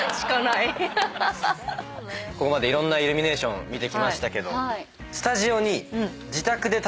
ここまでいろんなイルミネーション見てきましたけどスタジオに。